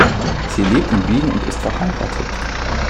Sie lebt in Wien und ist verheiratet.